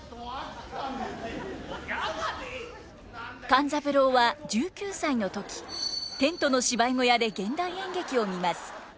勘三郎は１９歳の時テントの芝居小屋で現代演劇を見ます。